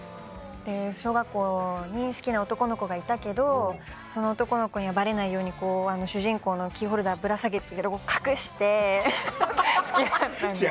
で小学校に好きな男の子がいたけどその男の子にはバレないように主人公のキーホルダーぶら下げてたけど隠して付き合ったんです。